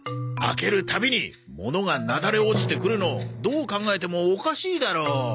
開ける度にものがなだれ落ちてくるのどう考えてもおかしいだろ。